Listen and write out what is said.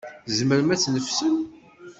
Tzemrem ad tneffsem?